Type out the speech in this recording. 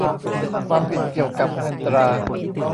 ความผิดเกี่ยวกับเงินตรา